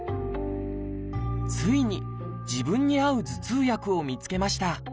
ついに自分に合う頭痛薬を見つけました。